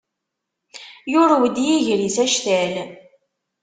Yurew-d yiger-is actal.